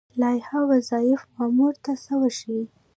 لایحه وظایف مامور ته څه ورښيي؟